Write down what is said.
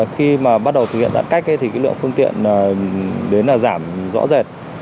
khi bắt đầu thực hiện giãn cách thì lượng phương tiện đến là giảm rõ rệt